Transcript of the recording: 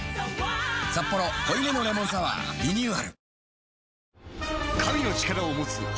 「サッポロ濃いめのレモンサワー」リニューアル